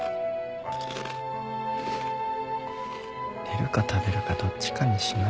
寝るか食べるかどっちかにしな。